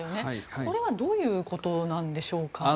これはどういうことなんでしょうか。